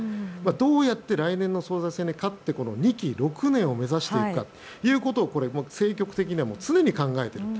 どうやって来年の総裁選に勝って２期６年を目指していくかを政局的には常に考えていると。